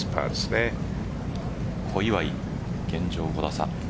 小祝、現状５打差。